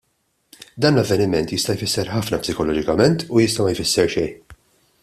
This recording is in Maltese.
Dan l-avveniment jista' jfisser ħafna psikoloġikament u jista' ma jfisser xejn.